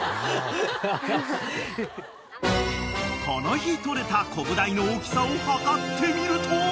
［この日取れたコブダイの大きさを測ってみると］